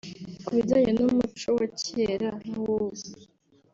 Ku bijyanye n’umuco wa kera n’uw’ubu